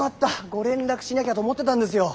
ご連絡しなきゃと思ってたんですよ。